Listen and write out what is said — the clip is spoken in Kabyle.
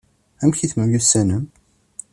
Amek temyussanem?